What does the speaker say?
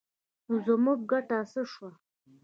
نو زموږ ګټه څه شوه؟